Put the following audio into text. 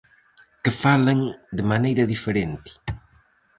Que falen de maneira diferente.